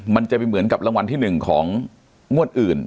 มันจะเป็นเหมือนกับรางวัลที่หนึ่งของมวดอื่น